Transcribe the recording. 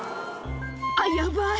あ、やばい。